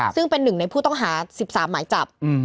ซึ่งเป็นหนึ่งในผู้ต้องหา๑๓หมายจับ